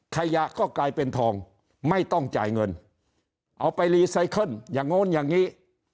ขยะก็กลายเป็นทองไม่ต้องจ่ายเงินเอาไปรีไซเคิลอย่างโน้นอย่างนี้